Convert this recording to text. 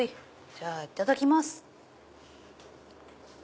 じゃあいただきます。